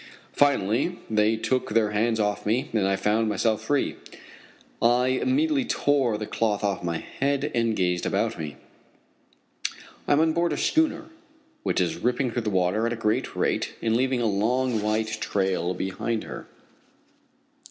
Finally they took their hands from off me, and I found myself free. I immediately tore the cloth off my head and gazed about me. I am on board a schooner which is ripping through the water at a great rate and leaving a long white trail behind her.